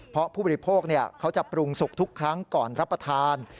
เพราะผู้บริโภคเขาจะปรุงสุกทุกครั้งก่อนรับประทาน